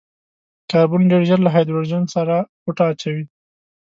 کاربن ډېر ژر له هايډروجن سره غوټه اچوي.